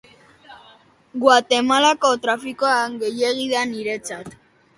Guatemalako trafikoa gehiegi da niretzat.